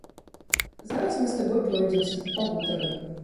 Зараз мы з табой пройдземся, пагутарым.